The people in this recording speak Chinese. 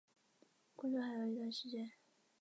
单位一般采用铝窗。